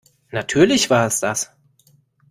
Natürlich war es das.